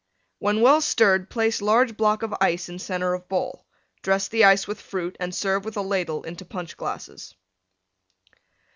When well stirred place large block of Ice in center of bowl; dress the Ice with Fruit and serve with a Ladle into Punch glasses.